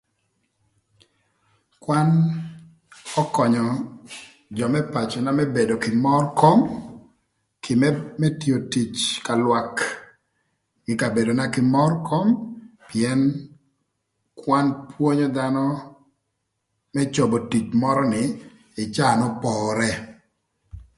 Kwan ökönyö jö më pacöna më bedo kï mör kom, kï më tio tic ka lwak, ï kabedona kï mör kom, pïën kwan pwonyo dhanö më cobo tic mörö ni ï caa n'opore.